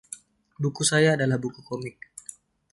Buku saya adalah buku komik.